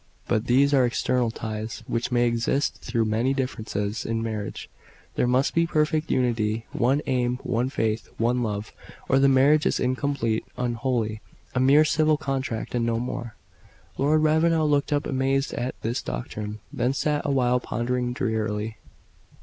But these are external ties, which may exist through many differences. In marriage there must be perfect unity; one aim, one faith, one love, or the marriage is incomplete, unholy a mere civil contract and no more." Lord Ravenel looked up amazed at this doctrine, then sat awhile pondering drearily.